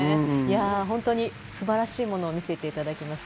本当に素晴らしいものを見せていただきました。